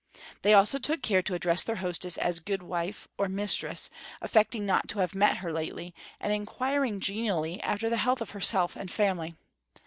They also took care to address their hostess as "guidwife" or "mistress," affecting not to have met her lately, and inquiring genially after the health of herself and family.